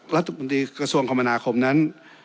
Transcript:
รัฐมนตรีกระทรวงคมนาคมนั้น